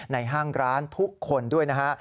ห้างร้านทุกคนด้วยนะฮะ